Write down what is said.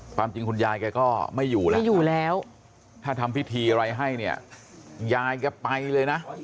ความจริงคุณยายแกก็ไม่อยู่แล้วไม่อยู่แล้วถ้าทำพิธีอะไรให้เนี่ยยายแกไปเลยนะ